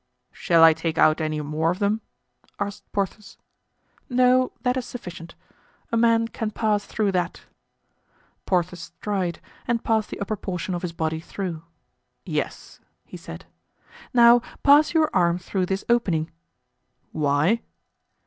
"Shall I take out any more of them?" asked Porthos. "No; that is sufficient; a man can pass through that." Porthos tried, and passed the upper portion of his body through. "Yes," he said. "Now pass your arm through this opening." "Why?"